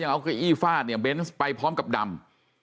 เอาเก้าอี้ฟาดเนี่ยเบนส์ไปพร้อมกับดำ